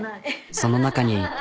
その中に。